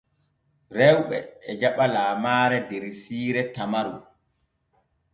Rewɓe e jaɓa lamaare der siire Tamaru.